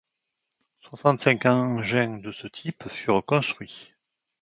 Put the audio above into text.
Soixante-cinq engins de ce type furent construits.